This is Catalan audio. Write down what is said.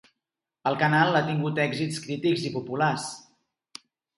El canal ha tingut èxits crítics i populars.